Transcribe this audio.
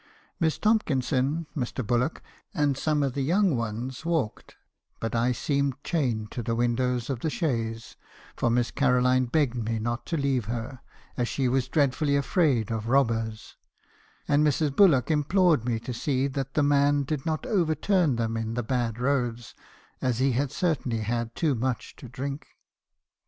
Miss Tom kinson, Mr. Bullock, and some of the young ones walked; but I seemed chained to the windows of the chaise, for Miss Caro line begged me not to leave her, as she was dreadfully afraid of robbers; and Mrs. Bullock implored me to see that the man did not overturn them in the bad roads , as he had certainly had too much to drink.